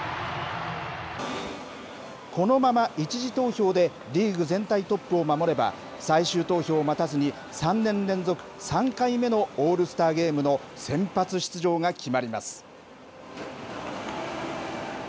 このまま１次投票でリーグ全体トップを守れば、最終投票を待たずに、３年連続３回目のオールスターゲームの先発出場が決まります。